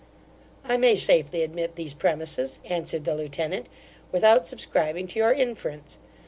'I may safely admit these premises (answered the lieutenant), without subscribing to your inference.